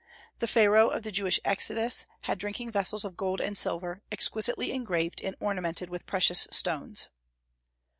The Pharaoh of the Jewish Exodus had drinking vessels of gold and silver, exquisitely engraved and ornamented with precious stones.